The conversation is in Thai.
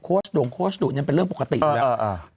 โด่งโค้ชดุเนี่ยเป็นเรื่องปกติอยู่แล้ว